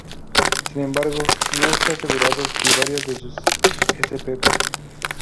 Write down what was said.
Sin embargo, no está asegurado si varias de sus spp.